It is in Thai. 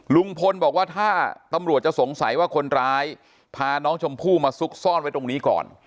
ลุงพลบอกว่าถ้าตำรวจจะสงสัยว่าคนร้ายพาน้องชมพู่มาซุกซ่อนไว้ตรงนี้ก่อน